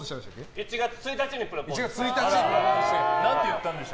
１月１日にプロポーズした。